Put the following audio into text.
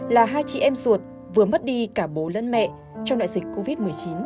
là hai chị em ruột vừa mất đi cả bố lẫn mẹ trong đại dịch covid một mươi chín